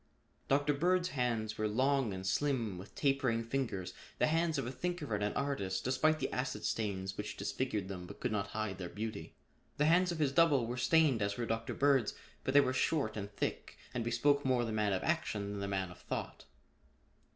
Dr. Bird's hands were long and slim with tapering fingers, the hands of a thinker and an artist despite the acid stains which disfigured them but could not hide their beauty. The hands of his double were stained as were Dr. Bird's, but they were short and thick and bespoke more the man of action than the man of thought.